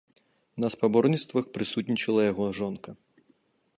На спаборніцтвах прысутнічала яго жонка.